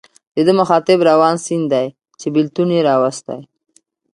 د ده مخاطب روان سیند دی چې بېلتون یې راوستی.